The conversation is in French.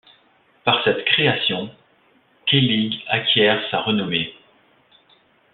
Par cette création, Keilig acquiert sa renommée.